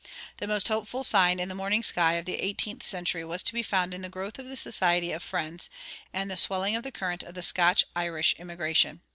"[62:1] The most hopeful sign in the morning sky of the eighteenth century was to be found in the growth of the Society of Friends and the swelling of the current of the Scotch Irish immigration.